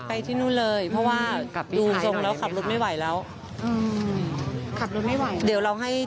ไปที่นู่นเลยเพราะว่าดูลงเราขับรถไม่ไหวแล้ว